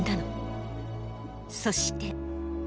そして。